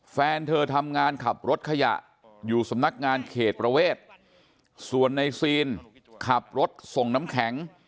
แฟนเธอทำงานขับรถขยะอยู่สำนักงานเขตประเวทส่วนในซีนขับรถส่งน้ำแข็ง